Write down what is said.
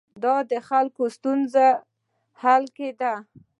دا د خلکو ستونزو حل کې ده.